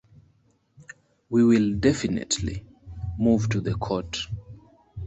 We will definitely move to the Court.